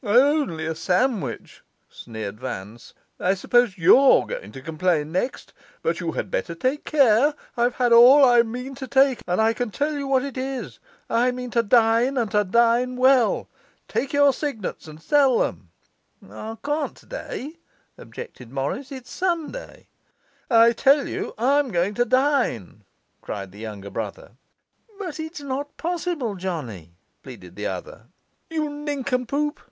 'Only a sandwich?' sneered Vance. 'I suppose YOU'RE going to complain next. But you had better take care: I've had all I mean to take; and I can tell you what it is, I mean to dine and to dine well. Take your signets and sell them.' 'I can't today,' objected Morris; 'it's Sunday.' 'I tell you I'm going to dine!' cried the younger brother. 'But if it's not possible, Johnny?' pleaded the other. 'You nincompoop!